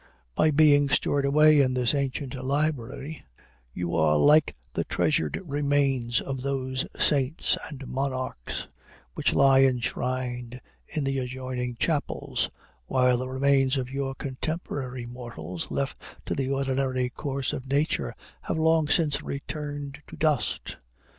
By being stored away in this ancient library, you are like the treasured remains of those saints and monarchs, which lie enshrined in the adjoining chapels; while the remains of your contemporary mortals, left to the ordinary course of nature, have long since returned to dust."